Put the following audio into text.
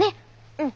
うん。